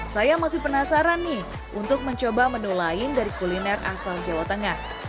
saya masih penasaran nih untuk mencoba menu lain dari kuliner asal jawa tengah